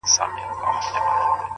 راځي سبا؛